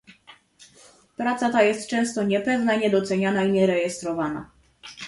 Praca ta jest często niepewna, niedoceniana i nierejestrowana